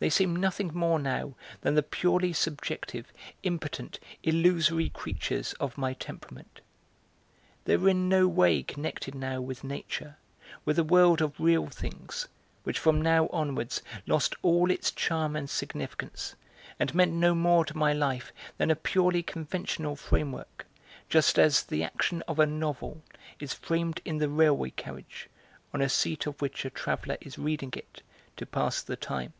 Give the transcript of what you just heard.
They seemed nothing more now than the purely subjective, impotent, illusory creatures of my temperament. They were in no way connected now with nature, with the world of real things, which from now onwards lost all its charm and significance, and meant no more to my life than a purely conventional framework, just as the action of a novel is framed in the railway carriage, on a seat of which a traveller is reading it to pass the time.